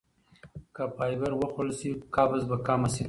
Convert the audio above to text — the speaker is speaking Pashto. که فایبر وخوړل شي قبض به کمه شي.